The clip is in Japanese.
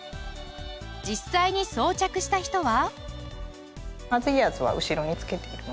実際に装着した人は？